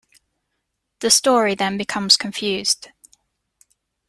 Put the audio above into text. The story then becomes confused.